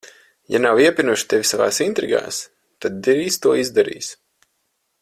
Ja nav iepinuši tevi savās intrigās, tad drīz to izdarīs.